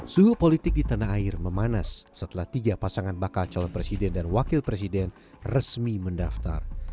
suhu politik di tanah air memanas setelah tiga pasangan bakal calon presiden dan wakil presiden resmi mendaftar